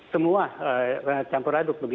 semua campur aduk